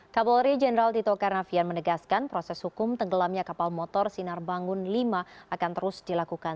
kapolri jenderal tito karnavian menegaskan proses hukum tenggelamnya kapal motor sinar bangun v akan terus dilakukan